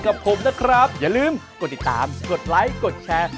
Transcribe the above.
กดติดตามกดไลค์กดแชร์